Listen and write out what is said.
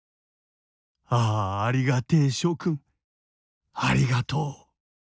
ああ、ありがてぇ、諸君、ありがとう！